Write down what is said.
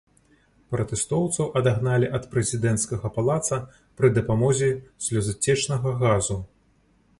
Пратэстоўцаў адагналі ад прэзідэнцкага палаца пры дапамозе слёзацечнага газу.